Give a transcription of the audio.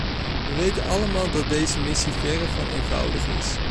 We weten allemaal dat deze missie verre van eenvoudig is.